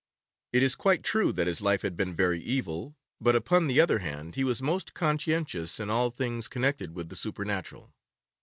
It is quite true that his life had been very evil, but, upon the other hand, he was most conscientious in all things connected with the supernatural.